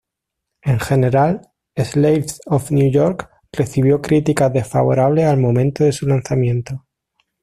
En general, "Slaves of New York" recibió críticas desfavorables al momento de su lanzamiento.